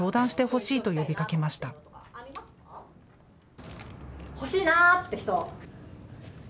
欲しいなーって人！